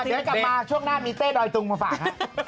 เดี๋ยวกลับมาช่วงหน้ามีเต้ดอยตุงมาฝากฮะ